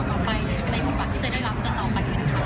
แล้วก็ฝากให้กำลังใจต่อไปในประวัติที่จะได้รับต่อไปนะคะ